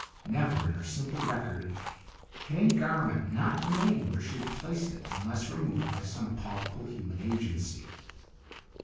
Never in her simple record had any garment not remained where she had placed it unless removed by some palpable human agency.